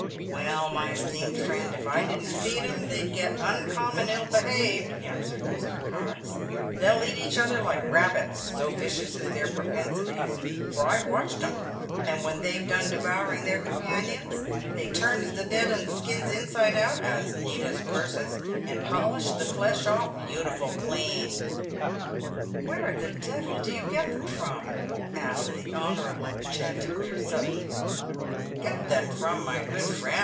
" Well, my esteemed friend, if I didn't feed 'em they'd get uncom mon ill behaved," answered Mr. Cox. "They'll eat each other like rabbits — so vicious is their propensities — for I've watched 'em ; and when they've done devouring their companions, they turns the dead 'uns' skins inside out as neat as purses, and polish the flesh off beautiful clean." " Where the devil do you get them from ?" asked the Honourable Chanticleer Sutton. " Get them from, my good friend?